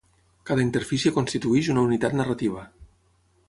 Cada interfície constitueix una unitat narrativa.